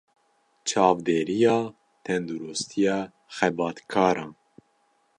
Çavdêriya Tenduristiya Xebatkaran